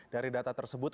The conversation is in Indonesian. dari data tersebut